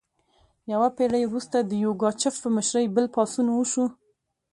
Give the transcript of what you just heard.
یوه پیړۍ وروسته د یوګاچف په مشرۍ بل پاڅون وشو.